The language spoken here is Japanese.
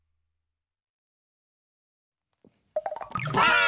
ばあっ！